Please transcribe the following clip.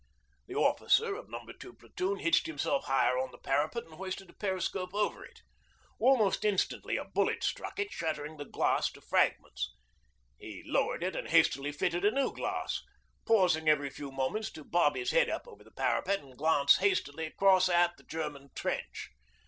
The officer of No. 2 Platoon hitched himself higher on the parapet and hoisted a periscope over it. Almost instantly a bullet struck it, shattering the glass to fragments. He lowered it and hastily fitted a new glass, pausing every few moments to bob his head up over the parapet and glance hastily across at the German trench.